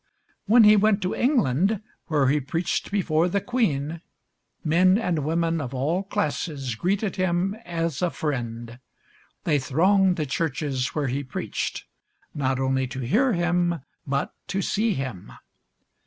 When he went to England, where he preached before the Queen, men and women of all classes greeted him as a friend. They thronged the churches where he preached, not only to hear him but to see him.